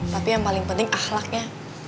tapi yang paling penting ahlaknya